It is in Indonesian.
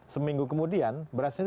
seminggu kemudian berasnya itu